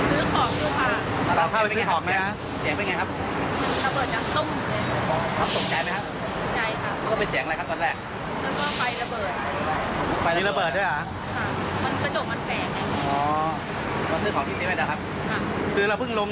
เอารถอะไรมาครับเนี่ย